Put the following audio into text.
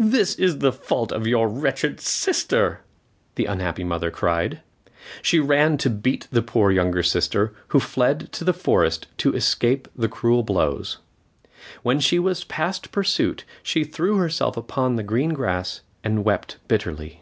"This is the fault of your wretched sister," the unhappy mother cried. She ran to beat the poor younger sister, who fled to the forest to escape the cruel blows. When she was past pursuit, she threw herself upon the green grass and wept bitterly.